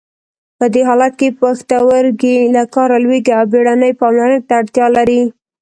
په دې حالت کې پښتورګي له کاره لویږي او بیړنۍ پاملرنې ته اړتیا لري.